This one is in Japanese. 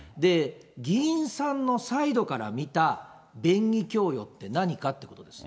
議員さんのサイドから見た便宜供与って何かってことです。